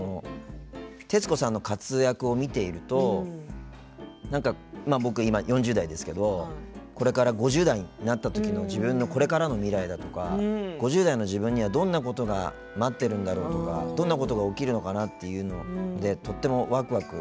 徹子さんの活躍を見ていると僕、今４０代ですけどこれから５０代になった時の自分のこれからの未来だとか５０代の自分には、どんなことが待ってるんだろうとかどんなことが起きるんだろうっていうのでとってもワクワクできるというか。